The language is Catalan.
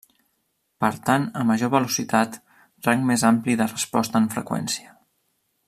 Per tant a major velocitat, rang més ampli de resposta en freqüència.